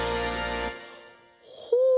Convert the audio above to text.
ほう！